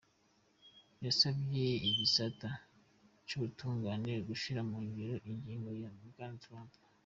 Yasavye igisata c'ubutungane gushira mu ngiro ingingo ya Bwana Trump.